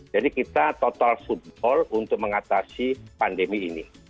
jadi kita total football untuk mengatasi pandemi ini